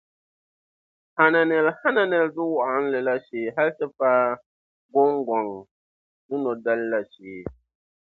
Hananɛl Hananel Duu Wɔɣinli la shee hal ti paai Gooŋgɔŋ Dunɔdal’ la shee.